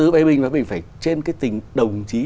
phê bình và phê bình phải trên cái tình đồng chí